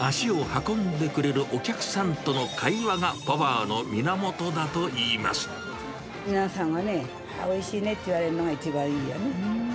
足を運んでくれるお客さんと皆さんがね、ああ、おいしいねって言われるのが一番いいよね。